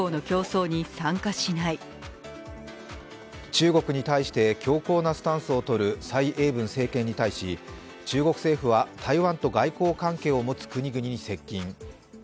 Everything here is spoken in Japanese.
中国に対して強硬なスタンスをとる蔡英文政権に対し、中国政府は台湾と外交関係を持つ国々に接近。